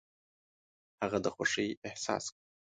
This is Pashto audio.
هغه د خوښۍ احساس کوي .